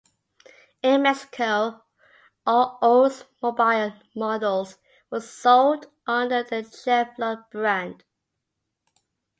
In Mexico all Oldsmobile models were sold under the Chevrolet brand.